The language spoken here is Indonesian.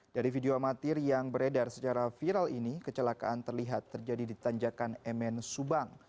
dari video amatir yang beredar secara viral ini kecelakaan terlihat terjadi di tanjakan mn subang